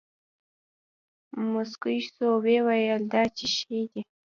موسکى سو ويې ويل دا چي شې دي.